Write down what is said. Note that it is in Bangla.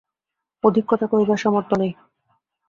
অধিক কথা কহিবার সামর্থ্য নাই।